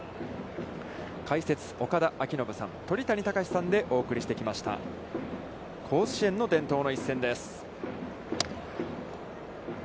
解説、岡田彰布さん、鳥谷敬さんでお送りしてきました甲子園の伝統の一戦です